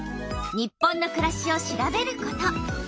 「日本のくらし」を調べること。